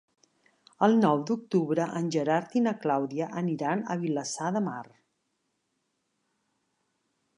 El nou d'octubre en Gerard i na Clàudia aniran a Vilassar de Mar.